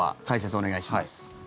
解説、お願いします。